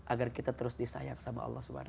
agar kita terus disayang sama allah swt